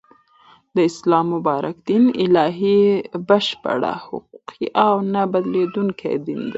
د اسلام مبارک دین الهی ، بشپړ ، حقیقی او نه بدلیدونکی دین دی